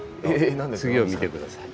次を見て下さい。